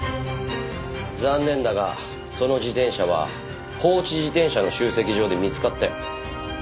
残念だがその自転車は放置自転車の集積所で見つかったよ。